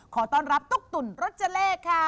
ขอต้อนรับตุ๊กตุ๋นรสเจเล่ค่ะ